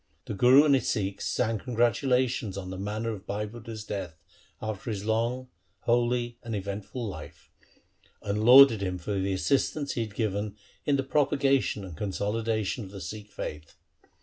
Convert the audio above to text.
The Guru and his Sikhs sang con gratulations on the manner of Bhai Budha's death after his long, holy, and eventful life, and lauded him for the assistance he had given in the propaga tion and consolidation of the Sikh faith.